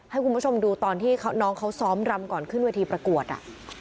ให้คุณผู้ชมดูตอนที่น้องเขาซ้อมรำก่อนขึ้นเวทีประกวดอ่ะ